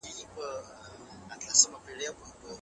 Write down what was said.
عمر بن خطاب به خپل معاش د یتیمانو او کونډو په پالنه مصرفاوه.